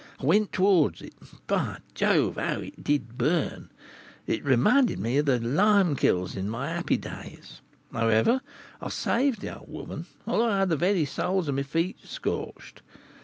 I went towards it, and, by Jove! how it did burn; it reminded me of the lime kilns in my happy days. However, I saved the old woman, although I had the very soles of my feet scorched.